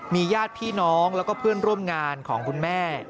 มีญาติพี่น้องแล้วก็เพื่อนร่วมงานของคุณแม่